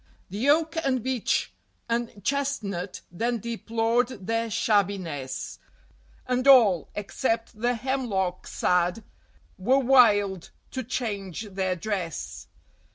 The Oak and Beech and Chestnut then deplored their shabbiness, And all, except the Hemlock sad, were wild to change their dress.